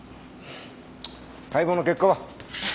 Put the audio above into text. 解剖の結果は？